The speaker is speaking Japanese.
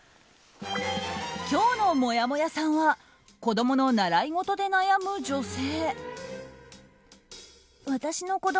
今日のもやもやさんは子供の習い事で悩む女性。